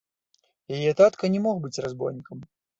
Яе татка не мог быць разбойнікам.